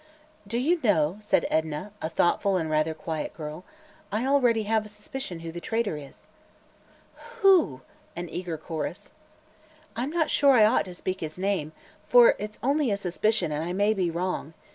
"Do you know," said Edna, a thoughtful and rather quiet girl, "I already have a suspicion who the traitor is." "Who?" an eager chorus. "I'm not sure I ought to speak his name, for it's only a suspicion and I may be wrong.